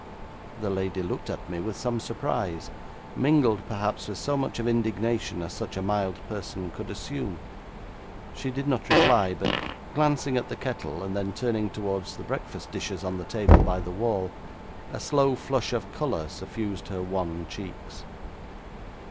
The lady looked at me with some surprise, mingled perhaps with so much of indignation as such a mild person could assume. She did not reply, but, glancing at the kettle, and then turning towards the breakfast dishes on the table by the wall, a slow flush of colour suffused her wan cheeks.